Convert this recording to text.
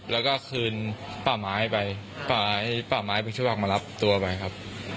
แล้วก็คืนป่าไม้ไปป่าไม้ผิดชุบคำมารับตัวไปครับ